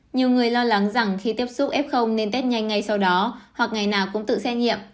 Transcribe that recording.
nhiều người lo lắng rằng khi tiếp xúc f nên test nhanh ngay sau đó hoặc ngày nào cũng tự xét nghiệm